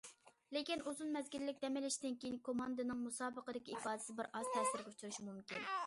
لېكىن ئۇزۇن مەزگىللىك دەم ئېلىشتىن كېيىن كوماندىنىڭ مۇسابىقىدىكى ئىپادىسى بىرئاز تەسىرگە ئۇچرىشى مۇمكىن.